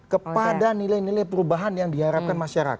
kepada nilai nilai perubahan yang diharapkan masyarakat